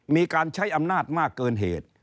มีการใช้อำนาจมากเกินเหตุ